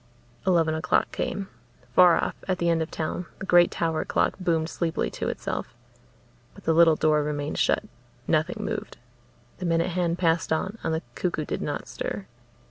Eleven o'clock came. Far off, at the end of town, the great tower clock boomed sleepily to itself. But the little door remained shut. Nothing moved. The minute hand passed on and the cuckoo did not stir.